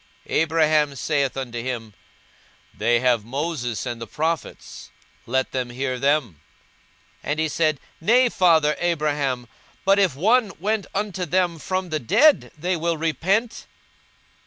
42:016:029 Abraham saith unto him, They have Moses and the prophets; let them hear them. 42:016:030 And he said, Nay, father Abraham: but if one went unto them from the dead, they will repent.